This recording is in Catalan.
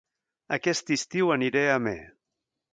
Aquest estiu aniré a Amer